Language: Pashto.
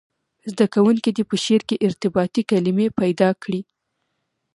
زده کوونکي دې په شعر کې ارتباطي کلمي پیدا کړي.